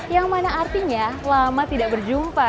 yang mana artinya lama tidak berjumpa